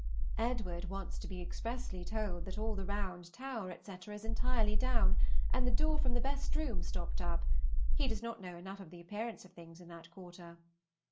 Edward wants to be expressly told that all the round tower, etc., is entirely down, and the door from the best room stopped up; he does not know enough of the appearance of things in that quarter.